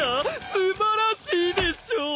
素晴らしいでしょう！？